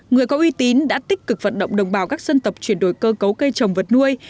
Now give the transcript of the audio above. người có uy tín đã tích cực vận động đồng bào các dân tộc chuyển đổi cơ cấu cây trồng vật nuôi